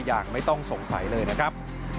อย่างไม่ต้องสงสัยเลยนะครับ